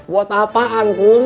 buat apaan kum